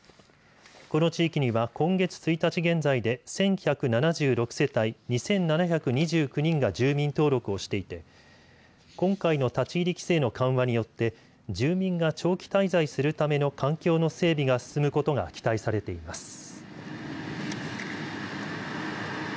この地域には、今月１日現在で１１７６世帯２７２９人が住民登録をしていて今回の立ち入り規制の緩和によって住民が長期滞在するための環境の整備が進むことが期待されています。